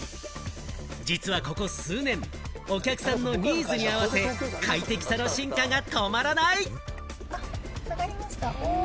実はここ数年、お客さんのニーズに合わせ、快適さの進化が止まらない！